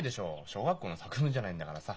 小学校の作文じゃないんだからさ。